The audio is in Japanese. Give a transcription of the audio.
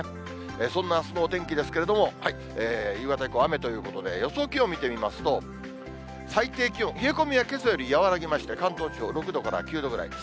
そんなあすのお天気ですけれども、夕方以降雨ということで、予想気温見てみますと、最低気温、冷え込みはけさよりやわらぎまして、関東地方６度から９度ぐらい。